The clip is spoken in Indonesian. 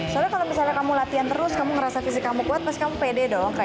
soalnya kalau misalnya kamu latihan terus kamu ngerasa fisik kamu kuat pasti kamu pede dong